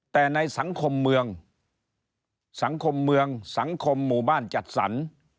แต่ในสังคมเมืองสังคมเมืองสังคมหมู่บ้านจัดสรร